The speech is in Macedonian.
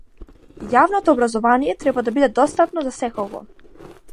Јавното образование треба да биде достапно за секого.